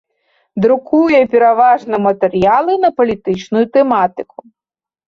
Друкуе пераважна матэрыялы на палітычную тэматыку.